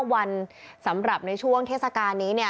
วันสำหรับในช่วงเทศกาลนี้เนี่ย